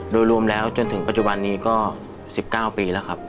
โดยรวมแล้วจนถึงปัจจุบันนี้ก็๑๙ปีแล้วครับ